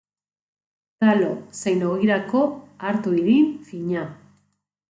Talo zein ogirako arto irin fina.